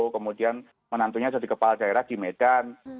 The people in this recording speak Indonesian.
kemudian menantunya jadi kepala daerah di medan